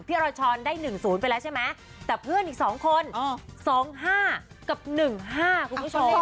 รอยช้อนได้๑๐ไปแล้วใช่ไหมแต่เพื่อนอีก๒คน๒๕กับ๑๕คุณผู้ชม